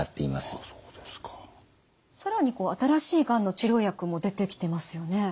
更に新しいがんの治療薬も出てきてますよね。